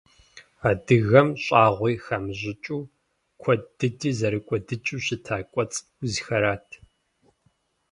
Адыгэм щӏагъуи хамыщӏыкӏыу, куэд дыди зэрыкӏуэдыкӏыу щытар кӏуэцӏ узхэрат.